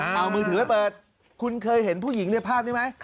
เอามือถือไปเปิดคุณเคยเห็นผู้หญิงในภาพนี้ไหม